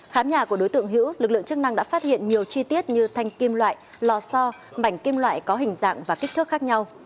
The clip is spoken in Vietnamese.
khám nhà của đối tượng hữu lực lượng chức năng đã phát hiện nhiều chi tiết như thanh kim loại lò so mảnh kim loại có hình dạng và kích thước khác nhau